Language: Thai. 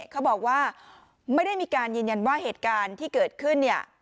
เขาบอกว่าไม่ได้มีการยืนยันว่าเหตุการณ์ที่เกิดขึ้นเนี่ย